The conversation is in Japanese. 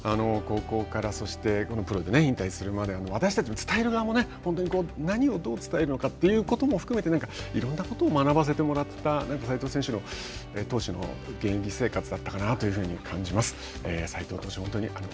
高校からそしてプロで引退するまで私たち、伝える側も何をどう伝えるのかということも含めていろんなことを学ばせてもらった斎藤選手の現役だったかなと思います。